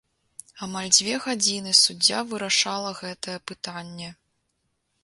Амаль дзве гадзіны суддзя вырашала гэтае пытанне.